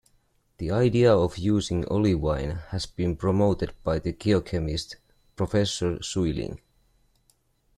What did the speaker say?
The idea of using olivine has been promoted by the geochemist Professor Schuiling.